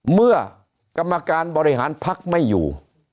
เมื่อกรรมการบริหารพักไม่อยู่